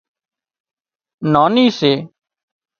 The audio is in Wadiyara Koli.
ناني سي